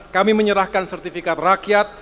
kami menyerahkan sertifikat rakyat